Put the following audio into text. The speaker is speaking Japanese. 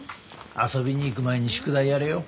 遊びに行く前に宿題やれよ。